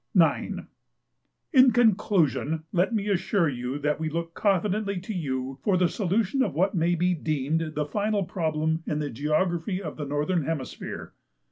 "9. In conclusion, let me assure you that we look confidently to you for the solution of what may be deemed the final problem in the geography of the northern hemisphere.